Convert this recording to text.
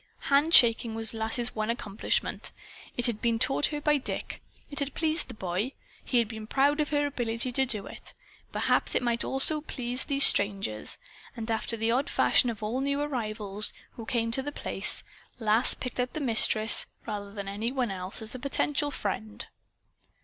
Handshaking was Lass's one accomplishment. It had been taught her by Dick. It had pleased the boy. He had been proud of her ability to do it. Perhaps it might also please these strangers. And after the odd fashion of all new arrivals who came to The Place, Lass picked out the Mistress, rather than any one else, as a potential friend.